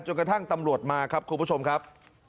กระทั่งตำรวจมาครับคุณผู้ชมครับ